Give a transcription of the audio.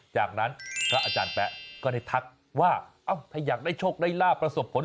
จากนั้นพระอาจารย์แป๊ะก็ได้ทักว่าเอ้าถ้าอยากได้โชคได้ลาบประสบผล